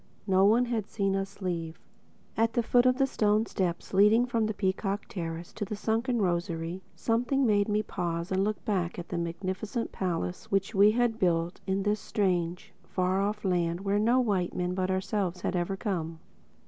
No one had seen us leave. At the foot of the stone steps leading from the Peacock Terrace to the Sunken Rosary, something made me pause and look back at the magnificent palace which we had built in this strange, far off land where no white men but ourselves had ever come.